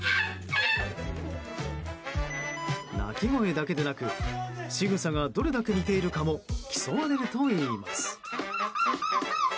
鳴き声だけでなくしぐさがどれだけ似ているかも競われるといいます。